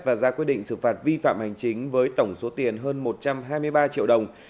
và ra quyết định xử phạt vi phạm hành chính với tổng số tiền hơn một trăm hai mươi ba triệu đồng